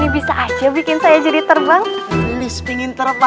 bisa aja bikin saya jadi terbang